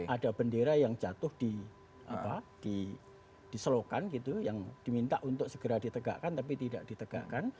ada bendera yang jatuh di selokan gitu yang diminta untuk segera ditegakkan tapi tidak ditegakkan